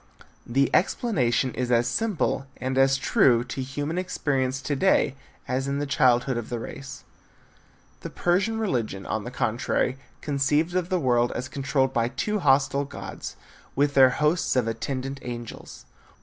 The explanation is as simple and as true to human experience to day as in the childhood of the race. The Persian religion, on the contrary, conceived of the world as controlled by two hostile gods, with their hosts of attendant angels.